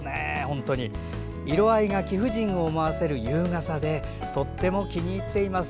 色合いが貴婦人を思わせる優雅さでとっても気に入っています。